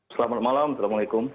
selamat malam assalamualaikum